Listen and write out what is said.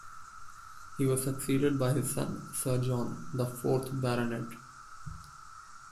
He was succeeded by his son, Sir John, the fourth Baronet.